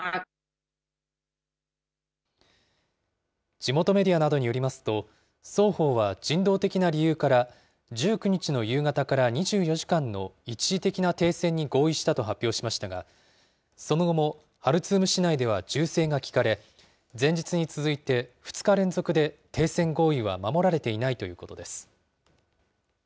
地元メディアなどによりますと、双方は人道的な理由から、１９日の夕方から２４時間の一時的な停戦に合意したと発表しましたが、その後も、ハルツーム市内では銃声が聞かれ、前日に続いて、２日連続で停戦合意は守られていないということです。